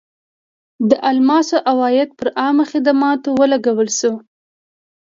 د الماسو عواید پر عامه خدماتو ولګول شول.